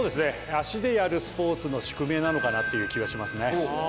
足でやるスポーツの宿命なのかなという気がしますね。